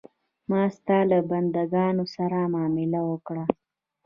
ما ستا له بندګانو سره معامله وکړه.